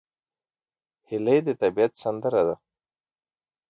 هیلۍ د طبیعت سندره ده